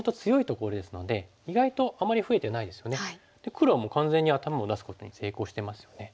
黒はもう完全に頭を出すことに成功してますよね。